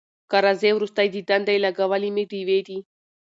که راځې وروستی دیدن دی لګولي مي ډېوې دي